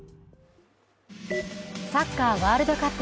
サッカーワールドカップ。